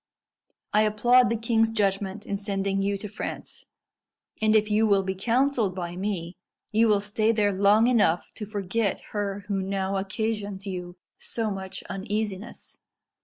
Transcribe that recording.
I applaud the king's judgment in sending you to France, and if you will be counselled by me, you will stay there long enough to forget her who now occasions you so much uneasiness."